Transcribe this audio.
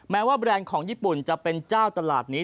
แม้ว่าแบรนด์ของญี่ปุ่นจะเป็นเจ้าตลาดนี้